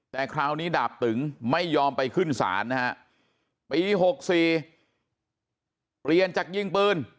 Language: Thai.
แต่คราวนี้ดาบตึงไม่ยอมไปขึ้นศาลนะฮะปี๖๔เปลี่ยนจากยิงปืน